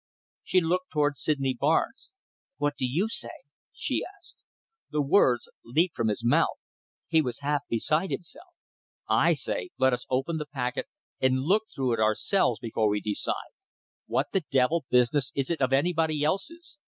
She looked towards Sydney Barnes. "What do you say?" she asked. The words leaped from his mouth. He was half beside himself. "I say let us open the packet and look it through ourselves before we decide. What the devil business is it of anybody else's.